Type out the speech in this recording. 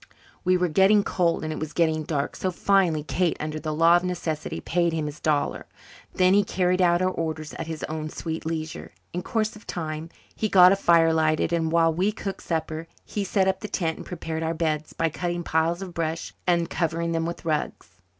We were getting cold and it was getting dark, so finally Kate, under the law of necessity, paid him his dollar. Then he carried out our orders at his own sweet leisure. In course of time he got a fire lighted, and while we cooked supper he set up the tent and prepared our beds, by cutting piles of brush and covering them with rugs.